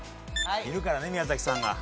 いるからね宮崎さんが。